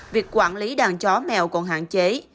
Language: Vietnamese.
việc quản lý đàn chó mèo còn hạn chế